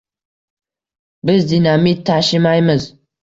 Biz dinamit tashimaymiz